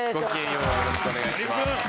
よろしくお願いします。